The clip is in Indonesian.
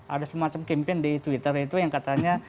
ada semacam campaign di twitter itu yang katanya